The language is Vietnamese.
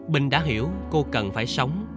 bình đã hiểu cô cần phải sống